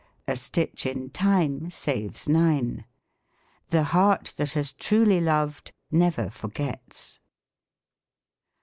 " A stitch in time saves nine." " The. heart that has truly loved never forgets."